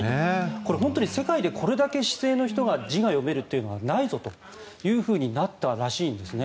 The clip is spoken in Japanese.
これ、本当に世界でこれだけ市井の人が字が読めるのはないぞとなったらしいんですね。